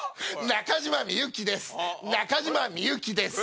中島みゆきです。